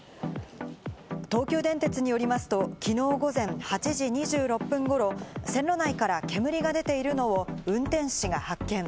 東急電鉄によりますと、きのう午前８時２６分頃、線路内から煙が出ているのを運転士が発見。